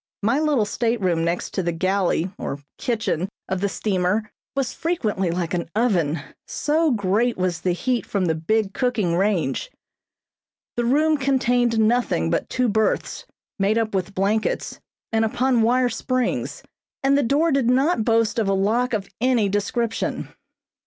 My little stateroom next the galley or kitchen of the steamer was frequently like an oven, so great was the heat from the big cooking range. The room contained nothing but two berths, made up with blankets and upon wire springs, and the door did not boast of a lock of any description.